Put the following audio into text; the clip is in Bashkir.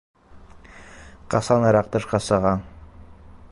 Ҡасаныраҡ тышҡа сығаң?